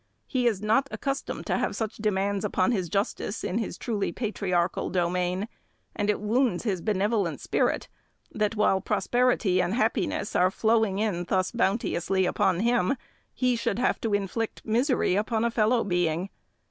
He is not accustomed to have such demands upon his justice in his truly patriarchal domain; and it wounds his benevolent spirit, that, while prosperity and happiness are flowing in thus bounteously upon him, he should have to inflict misery upon a fellow being.